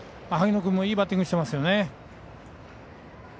萩野君もいいバッティングしていますよね。